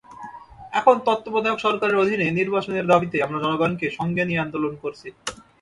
এখন তত্ত্বাবধায়ক সরকারের অধীনে নির্বাচনের দাবিতে আমরা জনগণকে সঙ্গে নিয়ে আন্দোলন করছি।